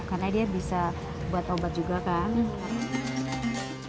karena dia bisa buat obat juga kan